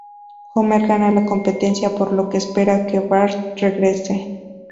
Homer gana la competencia, por lo que espera que Bart regrese.